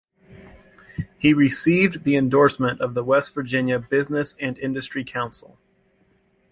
He received the endorsement of the West Virginia Business and Industry Council.